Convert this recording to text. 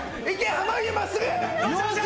濱家まっすぐ！